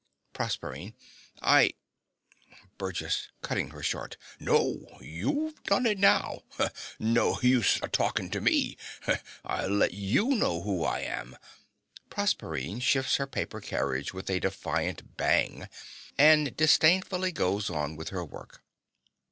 PROSERPINE. I BURGESS (cutting her short). No, you've done it now. No huse a talkin' to me. I'll let you know who I am. (Proserpine shifts her paper carriage with a defiant bang, and disdainfully goes on with her work.)